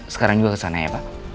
sekarang juga kesana ya pak